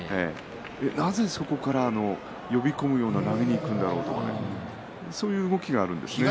なぜ、そこから呼び込むような投げにいくんだろうとかそういう動きがあるんですね。